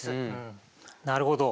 なるほど。